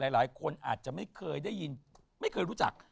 หลายคนอาจจะไม่เคยได้ยินไม่เคยรู้จัก